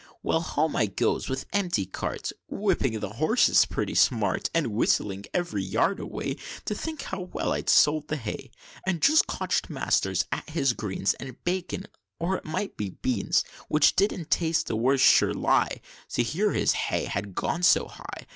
"Well, home I goes, with empty cart, Whipping the horses pretty smart, And whistling ev'ry yard o' way, To think how well I'd sold the hay And just cotch'd Master at his greens And bacon, or it might be beans, Which didn't taste the worse sure_ly_, To hear his hay had gone so high.